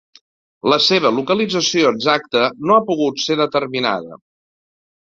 La seva localització exacta no ha pogut ser determinada.